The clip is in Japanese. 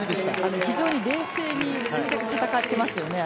非常に冷静沈着に戦ってますよね。